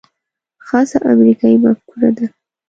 خاصه امریکايي مفکوره ده.